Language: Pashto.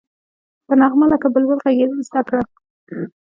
په نغمه لکه بلبل غږېدل زده کړه.